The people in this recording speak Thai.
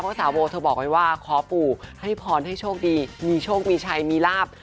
เพราะสาวโบเธอบอกไว้ว่าขอปู่ให้พรให้โชคดีมีโชคมีชัยมีลาบ